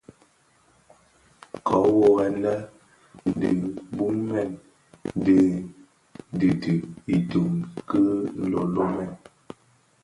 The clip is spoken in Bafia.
Köö worrè lè, di bubmèn din didhi idun ki lölölen.